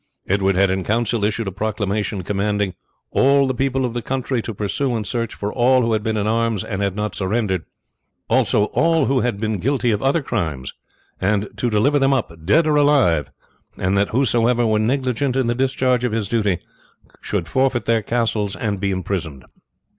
Edward had in council issued a proclamation commanding "all the people of the country to pursue and search for all who had been in arms and had not surrendered, also all who had been guilty of other crimes, and to deliver them up dead or alive, and that whosoever were negligent in the discharge of his duty should forfeit their castles and be imprisoned."